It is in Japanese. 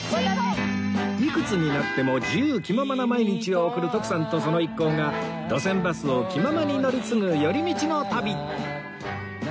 いくつになっても自由気ままな毎日を送る徳さんとその一行が路線バスを気ままに乗り継ぐ寄り道の旅